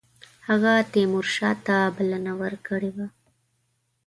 هغه تیمورشاه ته بلنه ورکړې وه.